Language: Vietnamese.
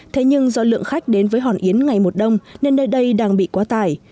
thế nhưng do lượng khách đến với hòn yến ngày một đông nên nơi đây đang bị quá tải